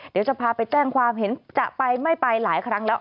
เดี๋ยวจะพาไปแจ้งความเห็นจะไปไม่ไปหลายครั้งแล้ว